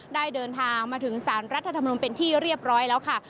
ได้เดินทางมาถึงสารรัฐธรรมนุนเป็นที่เรียบร้อยแล้วค่ะ